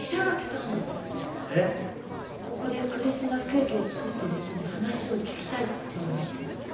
ここでクリスマスケーキを作ってる人に話を聞きたいって言われて。